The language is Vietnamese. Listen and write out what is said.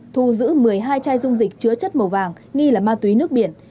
thu giữ một mươi hai chai dung dịch chứa chất màu vàng nghi là ma túy nước biển